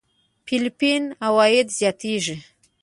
فېليپين عوايد زياتېږي.